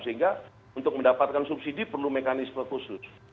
sehingga untuk mendapatkan subsidi perlu mekanisme khusus